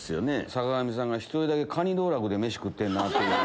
坂上さんが１人だけかに道楽で飯食ってんなぁ。